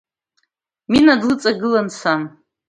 Мина длыҵагылан сан.